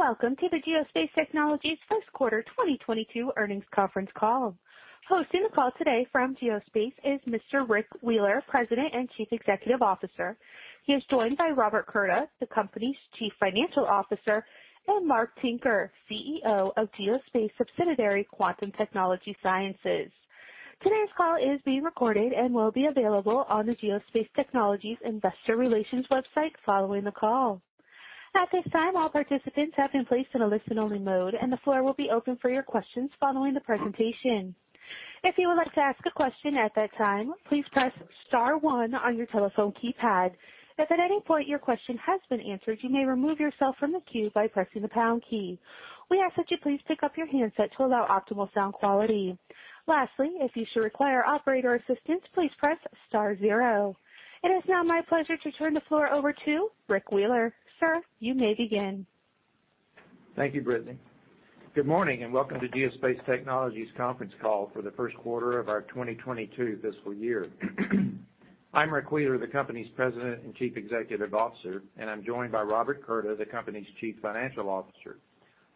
Welcome to the Geospace Technologies first quarter 2022 earnings conference call. Hosting the call today from Geospace is Mr. Walter Wheeler, President and Chief Executive Officer. He is joined by Robert Curda, the company's Chief Financial Officer, and Mark Tinker, CEO of Geospace subsidiary Quantum Technology Sciences. Today's call is being recorded and will be available on the Geospace Technologies investor relations website following the call. At this time, all participants have been placed in a listen-only mode, and the floor will be open for your questions following the presentation. If you would like to ask a question at that time, please press star 1 on your telephone keypad. If at any point your question has been answered, you may remove yourself from the queue by pressing the pound key. We ask that you please pick up your handset to allow optimal sound quality. Lastly, if you should require operator assistance, please press star zero. It is now my pleasure to turn the floor over to Walter Wheeler. Sir, you may begin. Thank you, Brittany. Good morning and welcome to Geospace Technologies conference call for the first quarter of our 2022 fiscal year. I'm Walter Wheeler, the company's President and Chief Executive Officer, and I'm joined by Robert Curda, the company's Chief Financial Officer.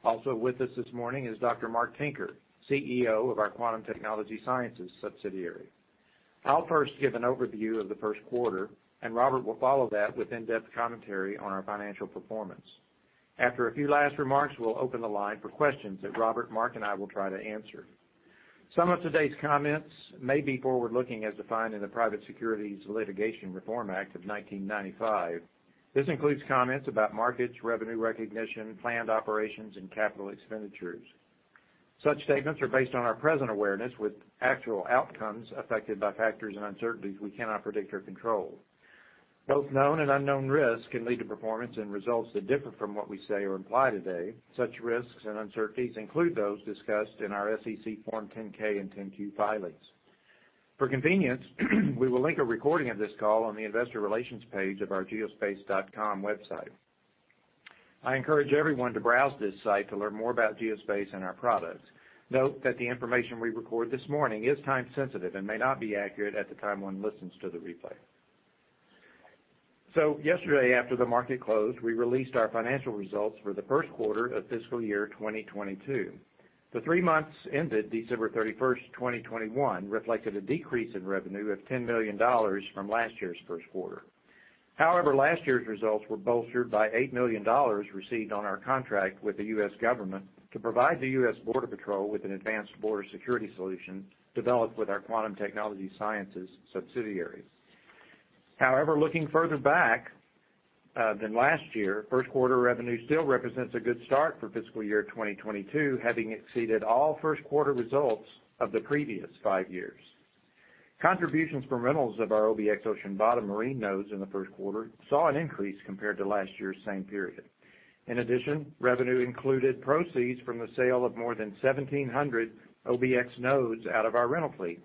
Also with us this morning is Dr. Mark Tinker, CEO of our Quantum Technology Sciences subsidiary. I'll first give an overview of the first quarter, and Robert will follow that with in-depth commentary on our financial performance. After a few last remarks, we'll open the line for questions that Robert, Mark, and I will try to answer. Some of today's comments may be forward-looking as defined in the Private Securities Litigation Reform Act of 1995. This includes comments about markets, revenue recognition, planned operations, and capital expenditures. Such statements are based on our present awareness with actual outcomes affected by factors and uncertainties we cannot predict or control. Both known and unknown risks can lead to performance and results that differ from what we say or imply today. Such risks and uncertainties include those discussed in our SEC Form 10-K and 10-Q filings. For convenience, we will link a recording of this call on the investor relations page of our geospace.com website. I encourage everyone to browse this site to learn more about Geospace and our products. Note that the information we record this morning is time sensitive and may not be accurate at the time one listens to the replay. Yesterday, after the market closed, we released our financial results for the first quarter of fiscal year 2022. The three months ended December 31, 2021, reflected a decrease in revenue of $10 million from last year's first quarter. However, last year's results were bolstered by $8 million received on our contract with the U.S. government to provide the U.S. Border Patrol with an advanced border security solution developed with our Quantum Technology Sciences subsidiary. However, looking further back than last year, first quarter revenue still represents a good start for fiscal year 2022, having exceeded all first-quarter results of the previous five years. Contributions from rentals of our OBX ocean bottom marine nodes in the first quarter saw an increase compared to last year's same period. In addition, revenue included proceeds from the sale of more than 1,700 OBX nodes out of our rental fleet.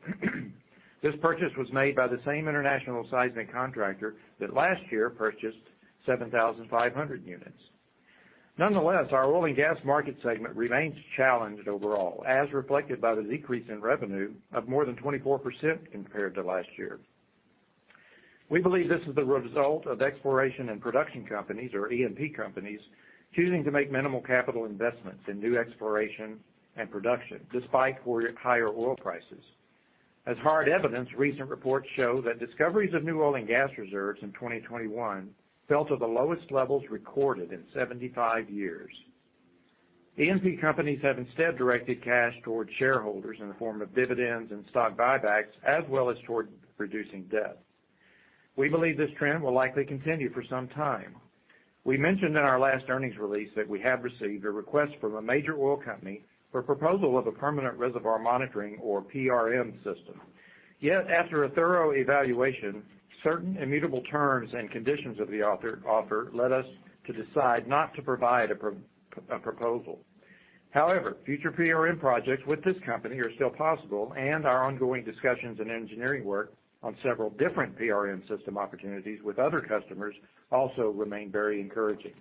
This purchase was made by the same international seismic contractor that last year purchased 7,500 units. Nonetheless, our oil and gas market segment remains challenged overall, as reflected by the decrease in revenue of more than 24% compared to last year. We believe this is the result of exploration and production companies or E&P companies, choosing to make minimal capital investments in new exploration and production despite higher oil prices. As hard evidence, recent reports show that discoveries of new oil and gas reserves in 2021 fell to the lowest levels recorded in 75 years. E&P companies have instead directed cash towards shareholders in the form of dividends and stock buybacks, as well as toward reducing debt. We believe this trend will likely continue for some time. We mentioned in our last earnings release that we have received a request from a major oil company for a proposal of a permanent reservoir monitoring or PRM system. Yet after a thorough evaluation, certain immutable terms and conditions of the counteroffer led us to decide not to provide a proposal. However, future PRM projects with this company are still possible, and our ongoing discussions and engineering work on several different PRM system opportunities with other customers also remain very encouraging.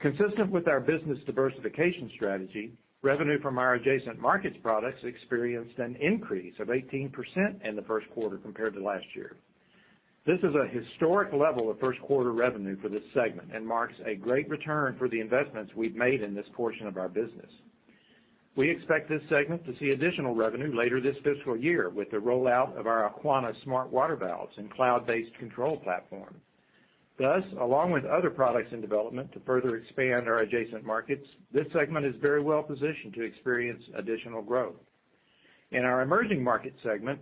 Consistent with our business diversification strategy, revenue from our Adjacent Markets products experienced an increase of 18% in the first quarter compared to last year. This is a historic level of first-quarter revenue for this segment and marks a great return for the investments we've made in this portion of our business. We expect this segment to see additional revenue later this fiscal year with the rollout of our Aquana smart water valves and cloud-based control platform. Thus, along with other products in development to further expand our adjacent markets, this segment is very well positioned to experience additional growth. In our emerging market segment,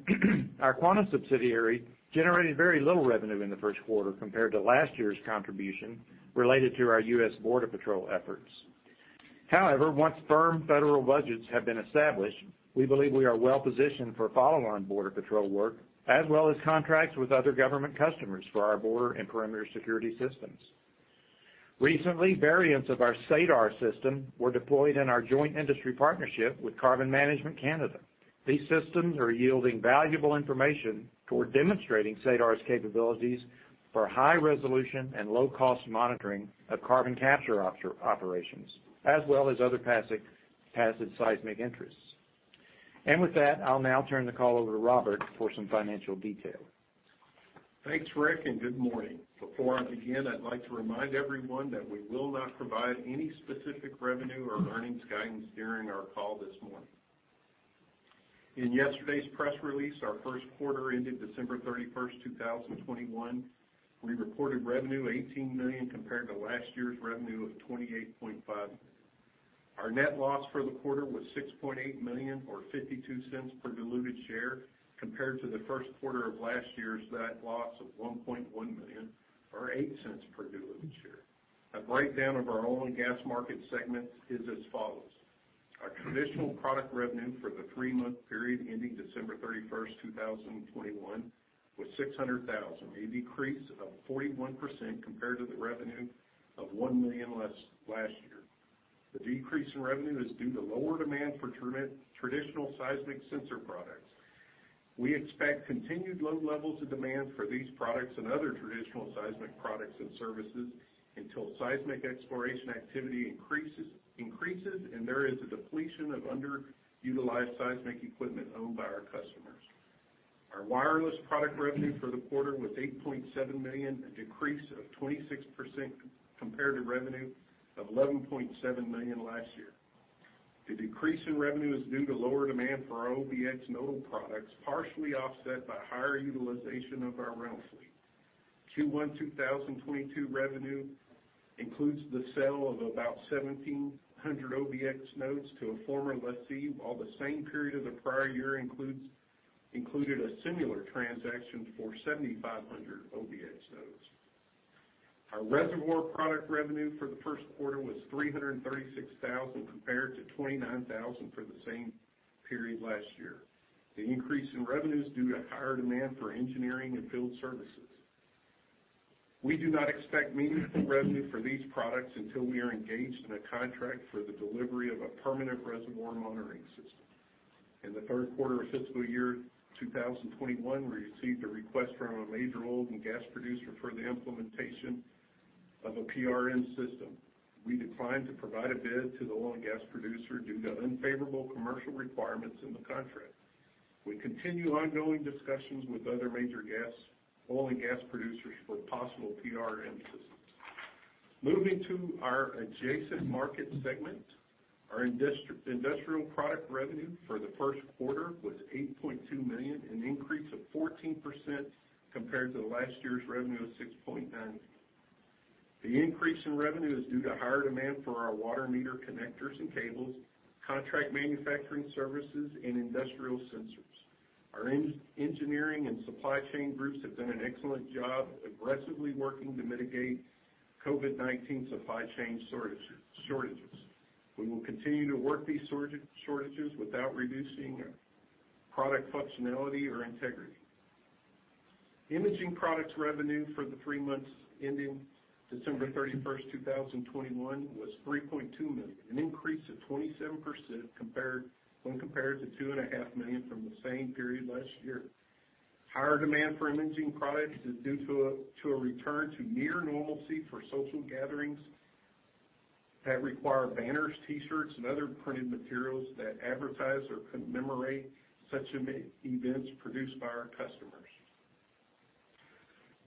our Quantum subsidiary generated very little revenue in the first quarter compared to last year's contribution related to our U.S. Border Patrol efforts. However, once firm federal budgets have been established, we believe we are well positioned for follow-on border patrol work, as well as contracts with other government customers for our border and perimeter security systems. Recently, variants of our radar system were deployed in our joint industry partnership with Carbon Management Canada. These systems are yielding valuable information toward demonstrating SADAR's capabilities for high resolution and low-cost monitoring of carbon capture operations, as well as other passive seismic interests. With that, I'll now turn the call over to Robert for some financial detail. Thanks, Rick, and good morning. Before I begin, I'd like to remind everyone that we will not provide any specific revenue or earnings guidance during our call this morning. In yesterday's press release, our first quarter ended December 31, 2021, we reported revenue $18 million compared to last year's revenue of $28.5 million. Our net loss for the quarter was $6.8 million, or $0.52 per diluted share, compared to the first quarter of last year's net loss of $1.1 million, or $0.08 per diluted share. A breakdown of our oil and gas market segment is as follows. Our traditional product revenue for the three-month period ending December 31, 2021 was $600,000, a decrease of 41% compared to the revenue of $1 million last year. The decrease in revenue is due to lower demand for traditional seismic sensor products. We expect continued low levels of demand for these products and other traditional seismic products and services until seismic exploration activity increases and there is a depletion of underutilized seismic equipment owned by our customers. Our wireless product revenue for the quarter was $8.7 million, a decrease of 26% compared to revenue of $11.7 million last year. The decrease in revenue is due to lower demand for our OBX nodal products, partially offset by higher utilization of our rental fleet. Q1 2022 revenue includes the sale of about 1,700 OBX nodes to a former lessee, while the same period of the prior year included a similar transaction for 7,500 OBX nodes. Our reservoir product revenue for the first quarter was $336,000 compared to $29,000 for the same period last year. The increase in revenue is due to higher demand for engineering and field services. We do not expect meaningful revenue for these products until we are engaged in a contract for the delivery of a permanent reservoir monitoring system. In the third quarter of fiscal year 2021, we received a request from a major oil and gas producer for the implementation of a PRM system. We declined to provide a bid to the oil and gas producer due to unfavorable commercial requirements in the contract. We continue ongoing discussions with other major oil and gas producers for possible PRM systems. Moving to our adjacent market segment, our industrial product revenue for the first quarter was $8.2 million, an increase of 14% compared to last year's revenue of $6.9 million. The increase in revenue is due to higher demand for our water meter connectors and cables, contract manufacturing services, and industrial sensors. Our engineering and supply chain groups have done an excellent job aggressively working to mitigate COVID-19 supply chain shortages. We will continue to work these shortages without reducing product functionality or integrity. Imaging products revenue for the three months ending December 31, 2021 was $3.2 million, an increase of 27% when compared to $2.5 million from the same period last year. Higher demand for imaging products is due to a return to near normalcy for social gatherings that require banners, T-shirts, and other printed materials that advertise or commemorate such events produced by our customers.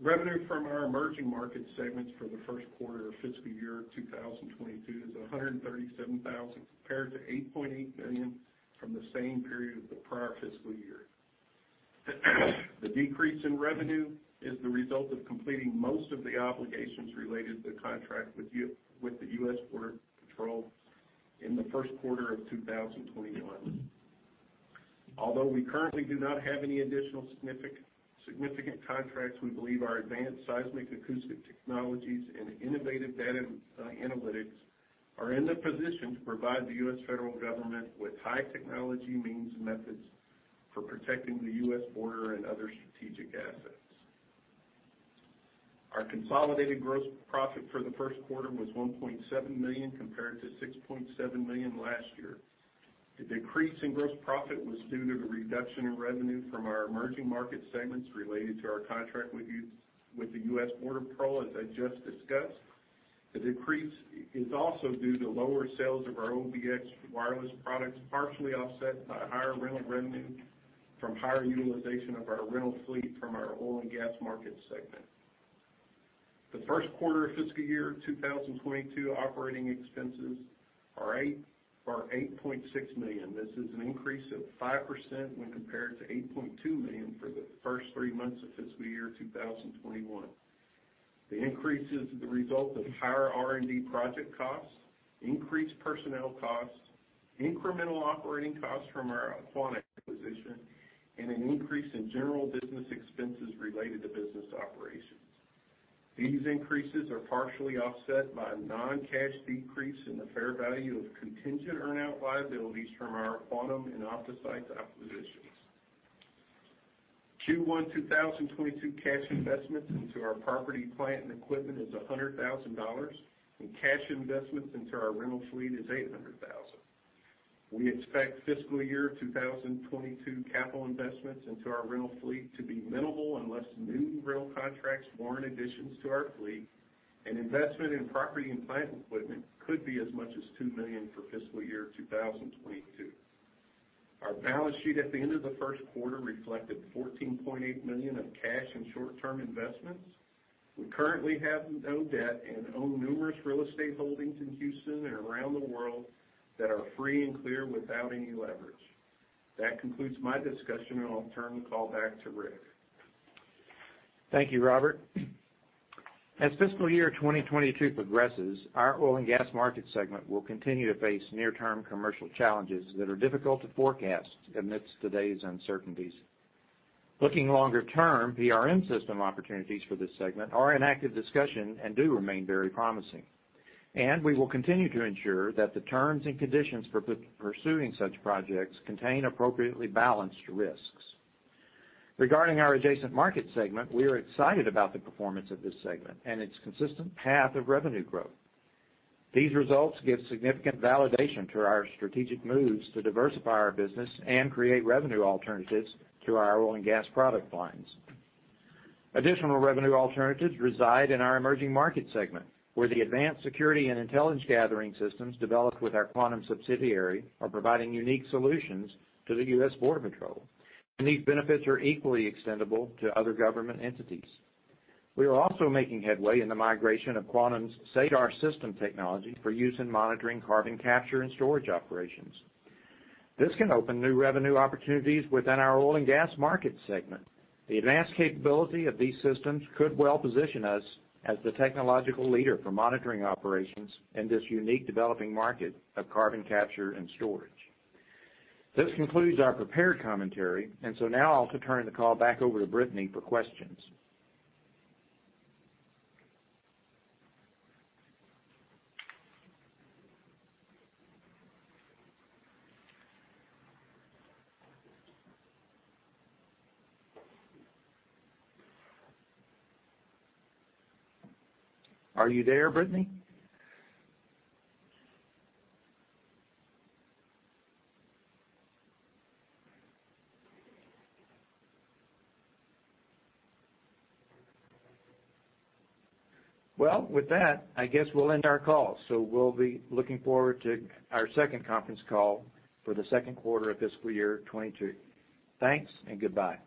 Revenue from our emerging market segments for the first quarter of fiscal year 2022 is $137,000 compared to $8.8 million from the same period of the prior fiscal year. The decrease in revenue is the result of completing most of the obligations related to the contract with the U.S. Border Patrol in the first quarter of 2021. Although we currently do not have any additional significant contracts, we believe our advanced seismic-acoustic technologies and innovative data analytics are in the position to provide the U.S. federal government with high-technology means and methods for protecting the U.S. border and other strategic assets. Our consolidated gross profit for the first quarter was $1.7 million compared to $6.7 million last year. The decrease in gross profit was due to the reduction in revenue from our emerging market segments related to our contract with the U.S. Border Patrol, as I just discussed. The decrease is also due to lower sales of our OBX wireless products, partially offset by higher rental revenue from higher utilization of our rental fleet from our oil and gas market segment. The first quarter of fiscal year 2022 operating expenses are $8.6 million. This is an increase of 5% when compared to $8.2 million for the first three months of fiscal year 2021. The increase is the result of higher R&D project costs, increased personnel costs, incremental operating costs from our Aquana acquisition, and an increase in general business expenses related to business operations. These increases are partially offset by a non-cash decrease in the fair value of contingent earn-out liabilities from our Aquana and OptoSeis acquisitions. Q1 2022 cash investments into our property, plant, and equipment is $100,000, and cash investments into our rental fleet is $800,000. We expect fiscal year 2022 capital investments into our rental fleet to be minimal unless new rental contracts warrant additions to our fleet. Investment in property and plant equipment could be as much as $2 million for fiscal year 2022. Our balance sheet at the end of the first quarter reflected $14.8 million of cash and short-term investments. We currently have no debt and own numerous real estate holdings in Houston and around the world that are free and clear without any leverage. That concludes my discussion, and I'll turn the call back to Rick. Thank you, Robert. As fiscal year 2022 progresses, our oil and gas market segment will continue to face near-term commercial challenges that are difficult to forecast amidst today's uncertainties. Looking longer term, PRM system opportunities for this segment are in active discussion and do remain very promising. We will continue to ensure that the terms and conditions for pursuing such projects contain appropriately balanced risks. Regarding our adjacent market segment, we are excited about the performance of this segment and its consistent path of revenue growth. These results give significant validation to our strategic moves to diversify our business and create revenue alternatives to our oil and gas product lines. Additional revenue alternatives reside in our emerging market segment, where the advanced security and intelligence gathering systems developed with our Quantum subsidiary are providing unique solutions to the U.S. Border Patrol, and these benefits are equally extendable to other government entities. We are also making headway in the migration of Quantum's SADAR system technology for use in monitoring carbon capture and storage operations. This can open new revenue opportunities within our oil and gas market segment. The advanced capability of these systems could well position us as the technological leader for monitoring operations in this unique developing market of carbon capture and storage. This concludes our prepared commentary, and so now I'll turn the call back over to Brittany for questions. Are you there, Brittany? Well, with that, I guess we'll end our call. We'll be looking forward to our second conference call for the second quarter of fiscal year 2022. Thanks and goodbye.